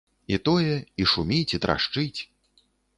І тое, і шуміць, і трашчыць.